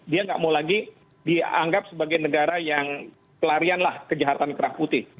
dia nggak mau lagi dianggap sebagai negara yang pelarian lah kejahatan kerah putih